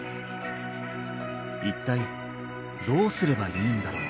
一体どうすればいいんだろう？